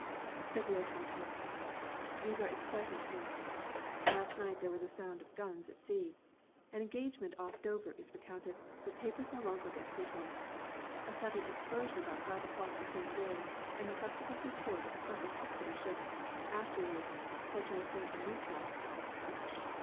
February 21st. These are exciting times. Last night there was the sound of guns at sea. An engagement off Dover is recounted, but papers no longer get through to us. A sudden explosion about five o'clock the same day, and the subsequent report of a sunken hospital ship, afterwards said to have been a neutral (Dutch?)